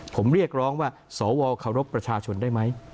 ผมเรียกร้องว่าสวเคารพประชาชนได้ไหม